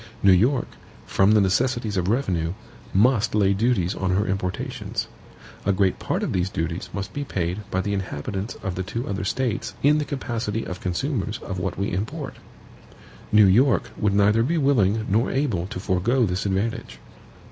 New York, from the necessities of revenue, must lay duties on her importations. A great part of these duties must be paid by the inhabitants of the two other States in the capacity of consumers of what we import. New York would neither be willing nor able to forego this advantage.